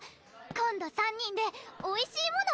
今度３人でおいしいもの